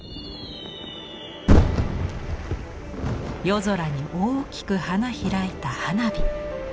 夜空に大きく花開いた花火。